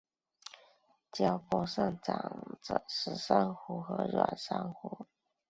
礁坡上生长着石珊瑚和软珊瑚。